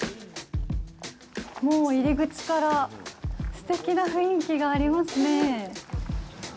もう入り口からすてきな雰囲気がありますね。